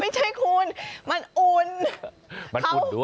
ไม่ใช่คุณมันอุ่น